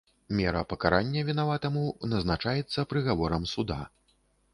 Мера пакарання вінаватаму назначаецца прыгаворам суда.